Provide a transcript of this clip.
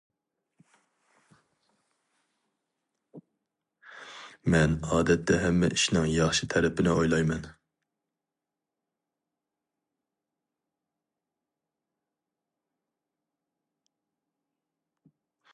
مەن ئادەتتە ھەممە ئىشنىڭ ياخشى تەرىپىنى ئويلايمەن.